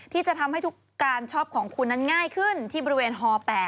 ที่จะทำให้ทุกการชอบของคุณนั้นง่ายขึ้นที่บริเวณฮ๘